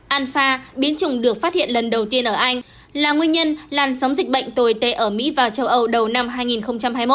anfa biến chủng được phát hiện lần đầu tiên ở anh là nguyên nhân làn sóng dịch bệnh tồi tệ ở mỹ và châu âu đầu năm hai nghìn hai mươi một